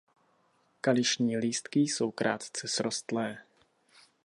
Kališní lístky jsou krátce srostlé.